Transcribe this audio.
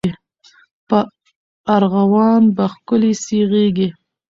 په ارغوان به ښکلي سي غیږي